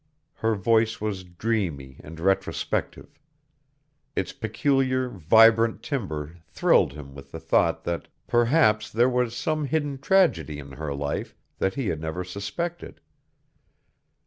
Her voice was dreamy and retrospective. Its peculiar, vibrant timbre thrilled him with the thought that perhaps there was some hidden tragedy in her life that he had never suspected.